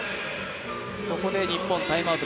ここで、日本タイムアウト。